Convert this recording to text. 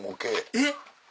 えっ！